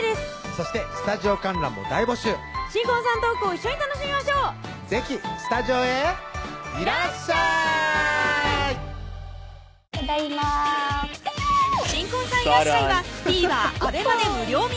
そしてスタジオ観覧も大募集新婚さんのトークを一緒に楽しみましょう是非スタジオへいらっしゃい新婚さんいらっしゃい！はＴＶｅｒ